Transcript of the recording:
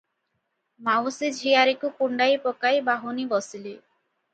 ମାଉସୀ ଝିଆରୀକୁ କୁଣ୍ଢାଇ ପକାଇ ବାହୁନି ବସିଲେ ।